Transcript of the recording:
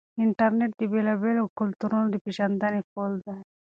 انټرنیټ د بېلابېلو کلتورونو د پیژندنې پل دی.